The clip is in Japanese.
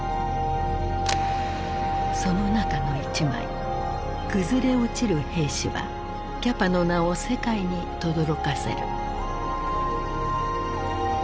その中の一枚「崩れ落ちる兵士」はキャパの名を世界にとどろかせる。